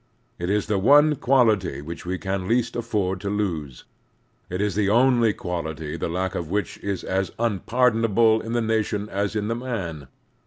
It is the one quality which we can least afford to lose. It is the only quality the lack of which is as tmpardonable in the nation as Grant 105 in the man.